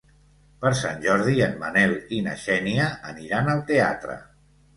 Per Sant Jordi en Manel i na Xènia aniran al teatre.